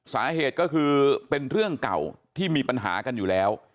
สาเหตุก็คือเป็นเรื่องเก่าที่มีปัญหากันอยู่แล้ว